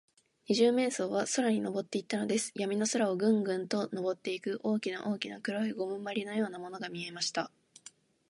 二十面相は空にのぼっていたのです。やみの空を、ぐんぐんとのぼっていく、大きな大きな黒いゴムまりのようなものが見えました。